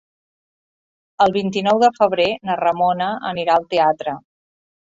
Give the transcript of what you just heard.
El vint-i-nou de febrer na Ramona anirà al teatre.